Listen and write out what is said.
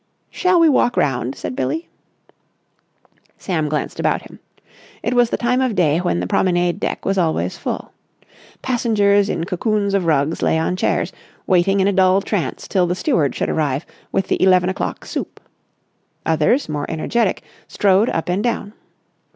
"Shall we walk round?" said Billie. Sam glanced about him. It was the time of day when the promenade deck was always full. Passengers in cocoons of rugs lay on chairs, waiting in a dull trance till the steward should arrive with the eleven o'clock soup. Others, more energetic, strode up and down.